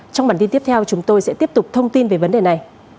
trong bản tin tiếp theo chúng tôi sẽ tiếp tục thông tin về vấn đề này